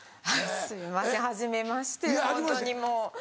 すみませんはじめましてホントにもう。